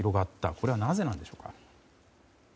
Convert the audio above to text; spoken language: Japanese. これはなぜなんでしょうか。